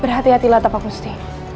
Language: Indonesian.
berhati hatilah tapak musti